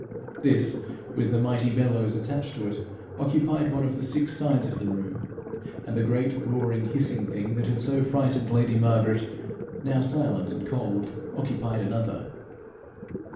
This, with the mighty bellows attached to it, occupied one of the six sides of the room, and the great roaring, hissing thing that had so frightened lady Margaret, now silent and cold, occupied another.